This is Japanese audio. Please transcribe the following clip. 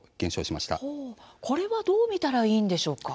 これはどう見たらいいんでしょうか。